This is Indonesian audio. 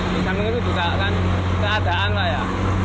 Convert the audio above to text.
bisa mengiru juga kan keadaan lah ya